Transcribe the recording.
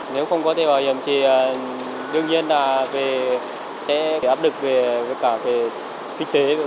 nếu không có thẻ bảo hiểm thì đương nhiên là sẽ áp lực về kinh tế